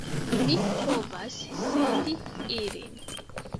Mi povas sendi ilin.